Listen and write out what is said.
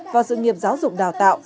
vào sự nghiệp giáo dục đào tạo